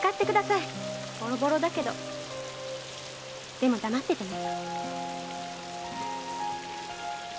でも黙っててね。